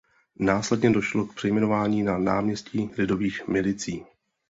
Následně došlo k přejmenování na náměstí Lidových milicí.